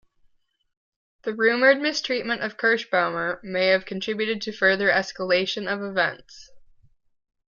The rumored mistreatment of Kerschbaumer may have contributed to further escalation of events.